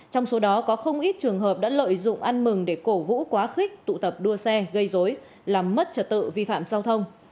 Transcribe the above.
trong số đó có không ít trường hợp đã lợi dụng ăn mừng để cổ vũ quá khích tụ tập đua xe gây dối làm mất trật tự vi phạm giao thông